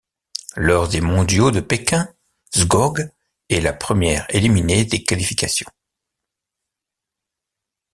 Lors des mondiaux de Pékin, Skoog est la première éliminée des qualifications.